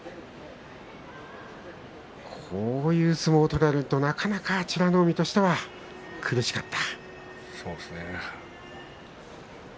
こういう相撲を取られるとなかなか美ノ海としては苦しかった。